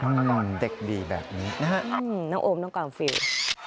อืมเด็กดีแบบนี้นะคะอืมน้องโอมน้องกลางฟิลล์